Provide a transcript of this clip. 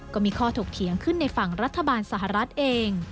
ก็มีข้อถกเถียงขึ้นในฝั่งรัฐบาลสหรัฐเอง